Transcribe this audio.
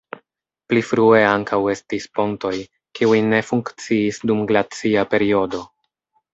Pli frue ankaŭ estis pontoj, kiuj ne funkciis dum glacia periodo.